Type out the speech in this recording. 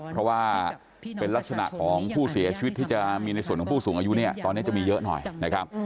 เพราะว่าเป็นลักษณะของผู้เสียชีวิตที่จะมีในส่วนของผู้สูงอายุเนี่ยตอนนี้จะมีเยอะหน่อยนะครับ